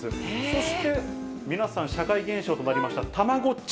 そして皆さん、社会現象となりましたたまごっち。